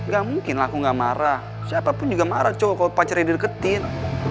gak mungkin lah aku gak marah siapa pun juga marah cowok kalo pacarnya dideketin